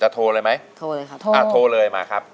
โทรเลยไหมโทรเลยครับโทรอ่าโทรเลยมาครับ